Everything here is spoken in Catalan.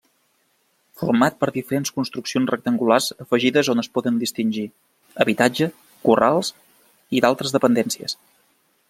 Format per diferents construccions rectangulars afegides on es poden distingir: habitatge, corrals i d'altres dependències.